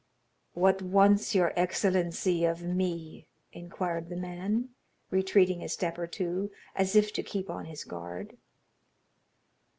"What wants your excellency of me?" inquired the man, retreating a step or two, as if to keep on his guard.